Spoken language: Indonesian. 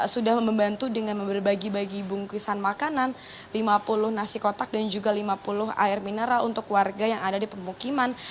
sudah membantu dengan berbagi bagi bungkusan makanan lima puluh nasi kotak dan juga lima puluh air mineral untuk warga yang ada di pemukiman